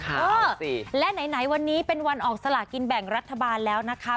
เออสิและไหนวันนี้เป็นวันออกสลากินแบ่งรัฐบาลแล้วนะคะ